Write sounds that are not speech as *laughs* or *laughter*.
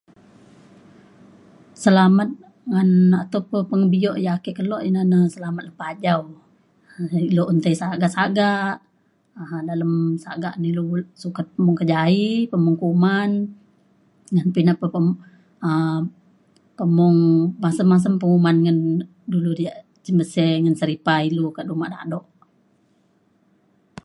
selamat ngan atau pa pengebio ia’ ake kelo ina na selamat lepa ajau. *laughs* ilu un tei sagak sagak um dalem sagak na ilu sukat pemung kejaie pemung kuman ngan pe ina pa pe- um pemung masem masem penguman ngan dulu diak cin senbese ngan seripa ilu ka uma dado.